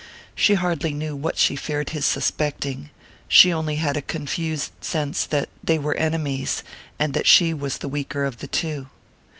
She hardly knew what she feared his suspecting she only had a confused sense that they were enemies, and that she was the weaker of the two.